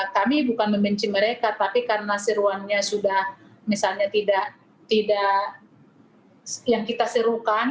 kami bukan membenci mereka tapi karena seruannya sudah misalnya tidak yang kita serukan